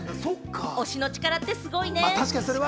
推しの力って、すごいね！